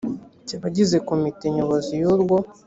cy’abagize komite nyobozi y’urwo